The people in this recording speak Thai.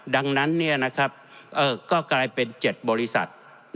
ดังนั้นก็กลายเป็น๗บริษัท